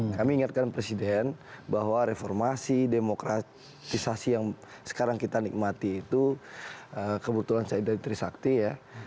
kami ingatkan presiden bahwa reformasi demokratisasi yang sekarang kita nikmati itu kebetulan saya dari trisakti ya